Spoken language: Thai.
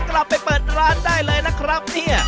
กลับไปเปิดร้านได้เลยนะครับเนี่ย